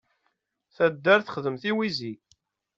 Taddart texdem tiwizi.